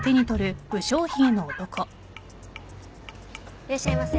いらっしゃいませ。